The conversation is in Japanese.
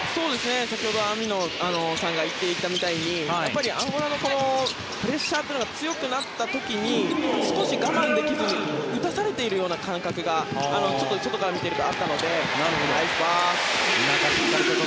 先ほど網野さんが言っていたみたいにアンゴラのプレッシャーが強くなった時に少し我慢できずに打たされているような感覚がちょっと外から見ていたありましたね。